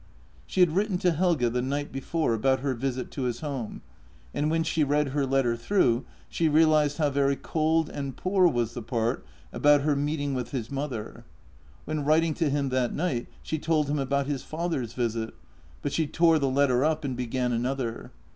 She had written to Helge the night before about her visit to his home, and when she read her letter through, she realized how very cold and poor was the part about her meeting with his mother. When writing to him that night she told him about his father's visit, but she tore the letter up and began another.